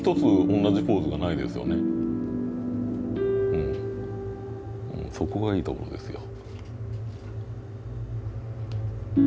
うんそこがいいところですよ。